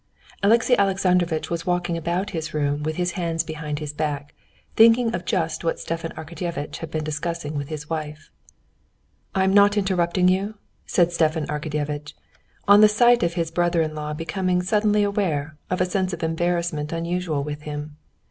Alexey Alexandrovitch was walking about his room with his hands behind his back, thinking of just what Stepan Arkadyevitch had been discussing with his wife. "I'm not interrupting you?" said Stepan Arkadyevitch, on the sight of his brother in law becoming suddenly aware of a sense of embarrassment unusual with him.